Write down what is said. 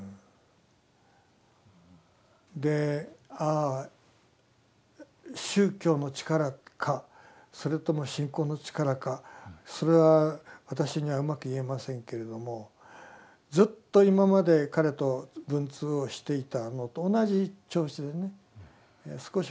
で宗教の力かそれとも信仰の力かそれは私にはうまく言えませんけれどもずっと今まで彼と文通をしていたのと同じ調子でね少しも変わらない。